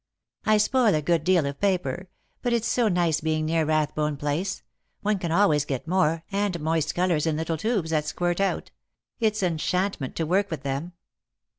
"I spoil a good deal of paper; but it's so nice being near Kathbone*place ; one can always get more, and moist colours in little tubes that squirt out. It's enchantment to work with them."